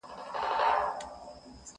خداى وركړي وه سل سره سل خيالونه٫